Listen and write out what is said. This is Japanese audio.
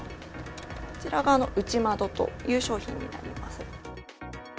こちらが内窓という商品になります。